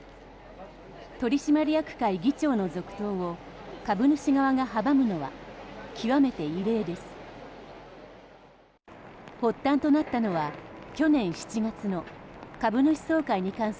取締役会議長の続投を株主側が阻むのは極めて異例です。